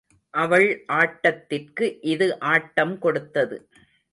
அவள் ஆட்டத்திற்கு இது ஆட்டம் கொடுத்தது.